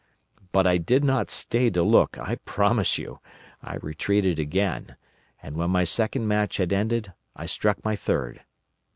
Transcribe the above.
But I did not stay to look, I promise you: I retreated again, and when my second match had ended, I struck my third.